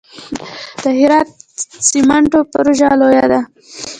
د هرات سمنټو پروژه لویه ده